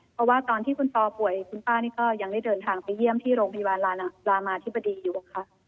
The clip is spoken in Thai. เพราะว่าตอนที่คุณปอป่วยคุณป้านี่ก็ยังได้เดินทางไปเยี่ยมที่โรงพยาบาลรามาธิบดีอยู่ค่ะ